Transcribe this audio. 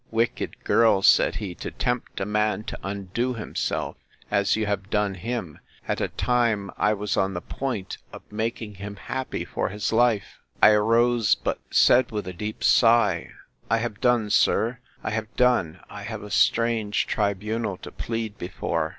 —Wicked girl! said he, to tempt a man to undo himself, as you have done him, at a time I was on the point of making him happy for his life! I arose; but said with a deep sigh, I have done, sir!—I have done!—I have a strange tribunal to plead before.